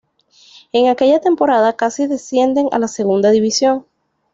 En aquella temporada casi descienden a la Segunda División.